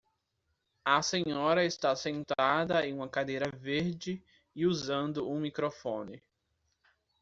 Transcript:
A senhora está sentada em uma cadeira verde e usando um microfone.